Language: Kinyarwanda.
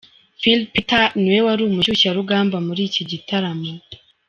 Phil Peter niwe wari umushyushyarugamba muri iki gitaramo.